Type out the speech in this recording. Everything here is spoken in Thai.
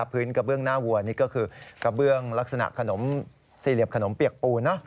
พื้นกระเบื้องหน้าวัวนี่ก็คือกระเบื้องลักษณะขนมสี่เหลี่ยมขนมเปียกปูน